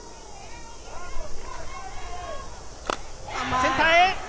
センターへ！